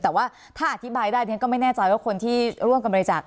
แต่ว่าถ้าอธิบายได้เรียนก็ไม่แน่ใจว่าคนที่ร่วมกันบริจาค